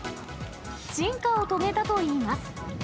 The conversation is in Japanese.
進化を遂げたといいます。